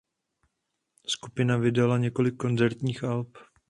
Skupina vydala několik koncertních alb.